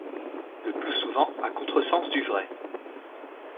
le plus souvent à contre-sens du vrai.